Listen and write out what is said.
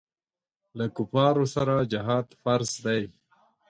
له کفارو سره جهاد فرض دی.